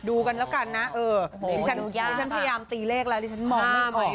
ดูกันแล้วกันนะเออดิฉันพยายามตีเลขแล้วดิฉันมองไม่ออก